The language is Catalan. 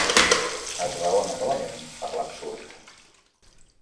Es raona novament per l'absurd.